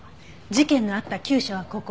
事件のあった厩舎はここ。